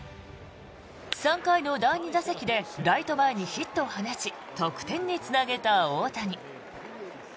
３回の第２打席でライト前にヒットを放ち得点につなげた大谷。